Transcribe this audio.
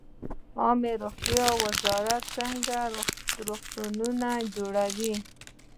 عامې روغتیا وزارت څنګه روغتونونه جوړوي؟